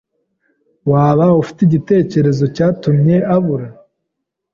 Waba ufite igitekerezo cyatumye abura?